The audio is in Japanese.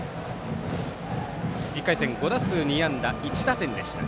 １回戦５打数２安打１打点でした。